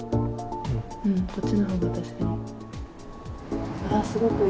こっちのほうが確かに。